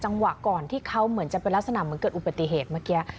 ก่อนที่เขาเหมือนจะเป็นลักษณะเหมือนเกิดอุบัติเหตุเมื่อกี้